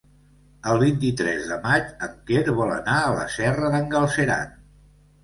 El vint-i-tres de maig en Quer vol anar a la Serra d'en Galceran.